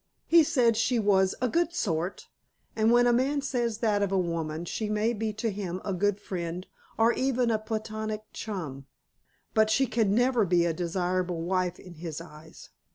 He said she was "a good sort"; and when a man says that of a woman, she may be to him a good friend, or even a platonic chum, but she can never be a desirable wife in his eyes.